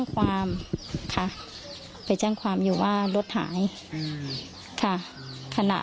ค่ะค่ะค่ะค่ะค่ะค่ะค่ะค่ะค่ะ